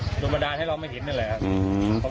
ต้องโพงโดมันดาลให้เราไม่เห็นนั่นแหละครับ